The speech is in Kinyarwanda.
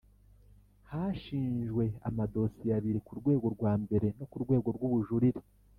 hashinjwe amadosiye abiri ku rwego rwa mbere no ku rwego rw’ubujurire,